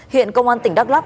hiện công an tỉnh đắk lắk